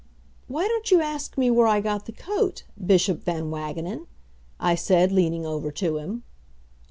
"Why don't you ask me where I got the coat, Bishop Van Wagenen?" I said, leaning over to him.